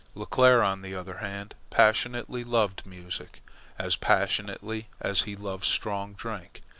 Leclere, on the other hand, passionately loved music as passionately as he loved strong drink.